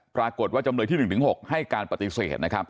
ปรากฏว่าจำเลยที่๑๖ให้การปฏิเสธนะครับ